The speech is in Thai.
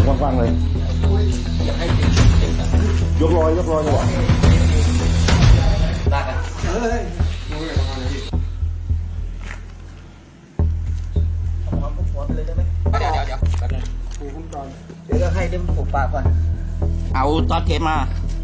เอาตัวเทปมามันความเทปป่ะความเทปดำ